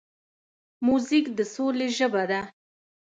موزیک د سولې ژبه ده.